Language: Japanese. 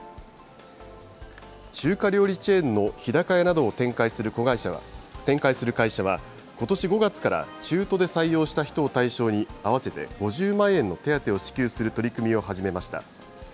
中華料理チェーンの日高屋などを展開する会社はことし５月から、中途で採用した人を対象に、合わせて５０万円の手当を支給する取り組みを始めました。